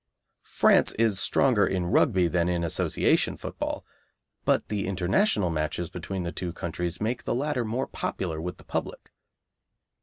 France is stronger in Rugby than in Association Football, but the International matches between the two countries make the latter more popular with the public.